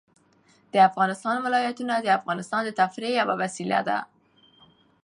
د افغانستان ولايتونه د افغانانو د تفریح یوه وسیله ده.